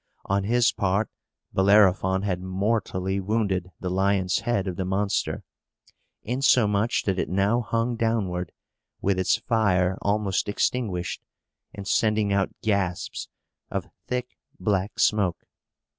On his part, Bellerophon had mortally wounded the lion's head of the monster, insomuch that it now hung downward, with its fire almost extinguished, and sending out gasps of thick black smoke.